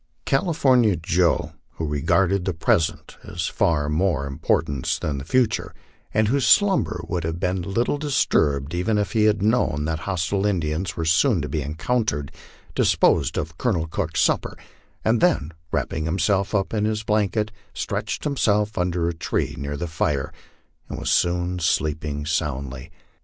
California Joe, who regarded the present as of far more importance than the future, and whose slumber would have been little disturbed even had he known that hostile Indians were soon to be encountered, disposed of Colonel Cook's supper, and then, wrapping himself up in his blanket, stretched himself under a tree near the fire, and was soon sleeping soundly.